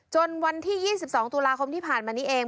วันที่๒๒ตุลาคมที่ผ่านมานี้เอง